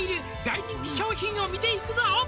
「大人気商品を見ていくぞ！」